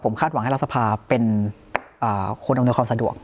คาดหวังให้รัฐสภาเป็นคนอำนวยความสะดวก